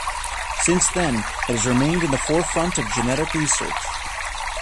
Since then, it has remained in the forefront of genetic research.